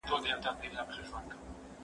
ایا ته کتاب لولې!.